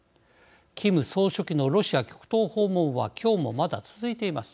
キム総書記のロシア極東訪問は今日もまだ続いています。